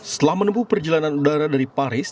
setelah menempuh perjalanan udara dari paris